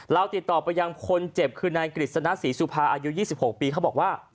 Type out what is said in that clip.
เราติดต่อไปยังคนเจ็บคือนายกฤษณะศรีสุภาอายุ๒๖ปีเขาบอกว่า